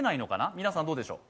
皆さん、どうでしょう。